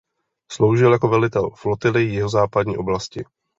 Sloužil jako velitel "Flotily jihozápadní oblasti".